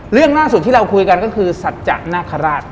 เรื่องล่าสุดที่เราคุยกันก็คือสัจจะนาคาราช